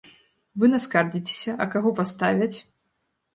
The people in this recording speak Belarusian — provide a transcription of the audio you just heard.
Вы наскардзіцеся, а каго паставяць?